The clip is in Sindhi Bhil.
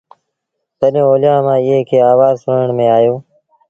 تڏهيݩ اوليآ مآݩ ايٚئي کي آوآز سُڻڻ ميݩ آيو